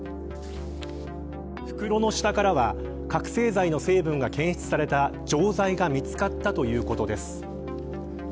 袋の下からは覚せい剤の成分が検出された錠剤が見つかったということです。